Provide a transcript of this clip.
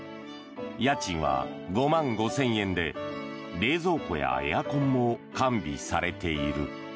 家賃は５万５０００円で冷蔵庫やエアコンも完備されている。